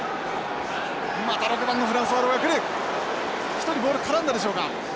１人ボール絡んだでしょうか。